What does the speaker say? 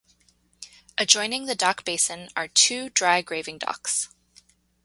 Adjoining the dock basin are two dry graving docks.